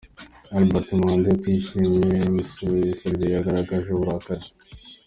Albert Mphande utishimiye imisifurire yagaragazaga uburakari